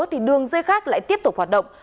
thì đường dây khác lại tiếp tục hoạt động